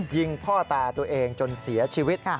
ยิงพ่อตาตัวเองจนเสียชีวิต